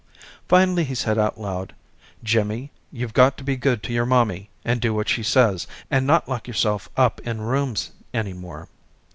Finally he said out loud Jimmy you've got to be good to your mommy and do what she says and not lock yourself up in rooms any more.